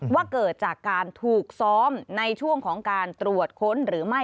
ว่าเกิดจากการถูกซ้อมในช่วงของการตรวจค้นหรือไม่